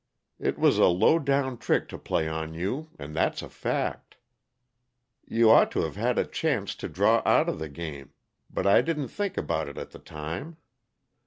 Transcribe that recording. It was a low down trick to play on you, and that's a fact. You ought to've had a chance to draw outa the game, but I didn't think about it at the time.